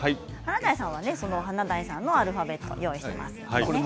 華大さんのアルファベットを用意しています。